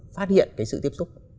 phát hiện cái sự tiếp xúc